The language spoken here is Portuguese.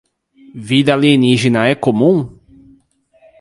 Vida alienígena é comum?